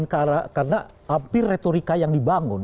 karena hampir retorika yang dibangun